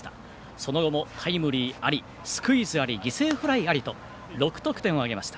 その後もタイムリーありスクイズあり、犠牲フライありと６得点を挙げました。